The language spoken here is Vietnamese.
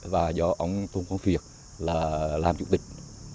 và do ông thông quang phiệt là làm chủ tịch